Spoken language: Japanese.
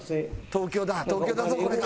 東京だぞこれが。